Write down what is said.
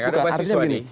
bukan artinya begini